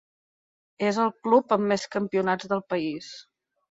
És el club amb més campionats del país.